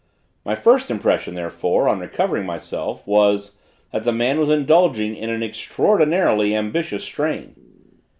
My first impression therefore, on recovering myself was, that this man was indulging in an extraordinarily ambitious strain.